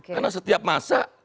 karena setiap masa